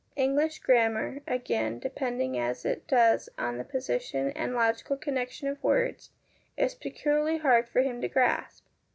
English grammar, again, depending as it does on the position and logical connection of words, is peculiarly hard for him to grasp.